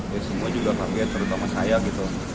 ya semua juga kaget terutama saya gitu